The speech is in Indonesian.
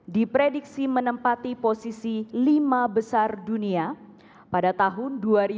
diprediksi menempati posisi lima besar dunia pada tahun dua ribu dua puluh